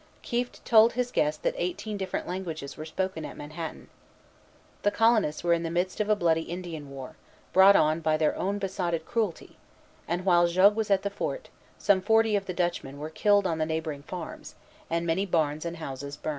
Kieft told his guest that eighteen different languages were spoken at Manhattan. The colonists were in the midst of a bloody Indian war, brought on by their own besotted cruelty; and while Jogues was at the fort, some forty of the Dutchmen were killed on the neighboring farms, and many barns and houses burned.